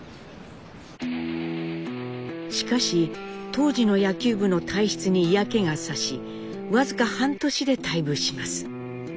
しかし当時の野球部の体質に嫌気がさし僅か半年で退部します。